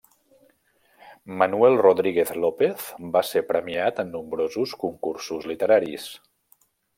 Manuel Rodríguez López va ser premiat en nombrosos concursos literaris.